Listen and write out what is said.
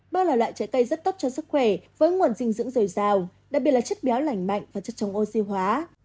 ba là loại trái cây rất tốt cho sức khỏe với nguồn dinh dưỡng dồi dào đặc biệt là chất béo lành mạnh và chất chống oxy hóa